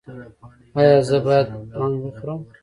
ایا زه باید ام وخورم؟